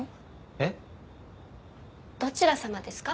えっ？どちらさまですか？